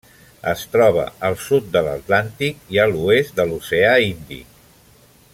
Es troba al sud de l'Atlàntic i a l'oest de l'Oceà Índic.